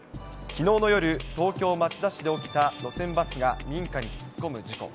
きのうの夜、東京・町田市で起きた、路線バスが民家に突っ込む事故。